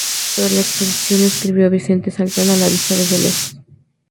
Sobre la exposición, le escribió a Vicente: "Saltan a la vista desde lejos.